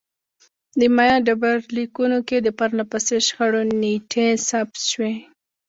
د مایا ډبرلیکونو کې د پرله پسې شخړو نېټې ثبت شوې